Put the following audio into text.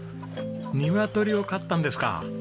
ニワトリを飼ったんですか。